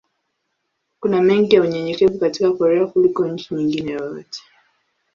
Kuna mengi ya unyenyekevu katika Korea kuliko nchi nyingine yoyote.